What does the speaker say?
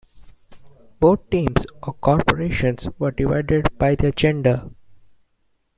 Both teams, or "corporations", were divided by their gender.